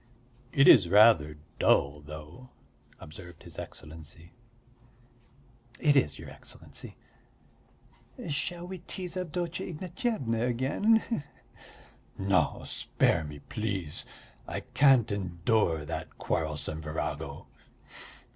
'" "It is rather dull, though," observed his Excellency. "It is, your Excellency. Shall we tease Avdotya Ignatyevna again, he he?" "No, spare me, please. I can't endure that quarrelsome virago."